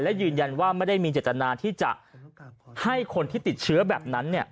และยืนยันว่าไม่ได้มีเจตนาที่จะให้คนที่ติดเชื้อแบบนั้น